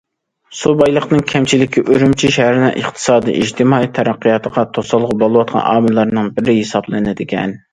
سۇ بايلىقىنىڭ كەمچىلىكى ئۈرۈمچى شەھىرىنىڭ ئىقتىسادىي، ئىجتىمائىي تەرەققىياتىغا توسالغۇ بولۇۋاتقان ئامىللارنىڭ بىرى ھېسابلىنىدىكەن.